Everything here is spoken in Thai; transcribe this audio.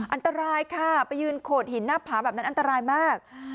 อันตรายค่ะไปยืนโขดหินหน้าผาแบบนั้นอันตรายมาก